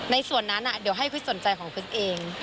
ในส่วนนั้นเดี๋ยวให้คริสสนใจของคริสเอง